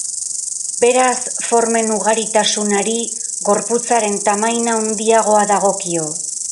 Beraz, formen ugaritasunari gorputzaren tamaina handiagoa dagokio.